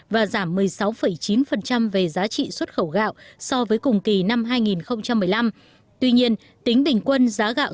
và giảm một mươi sáu chín về giá trị xuất khẩu gạo so với cùng kỳ năm hai nghìn một mươi năm tuy nhiên tính bình quân giá gạo